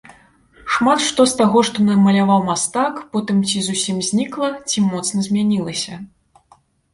Шмат што з таго, што намаляваў мастак, потым ці зусім знікла, ці моцна змянілася.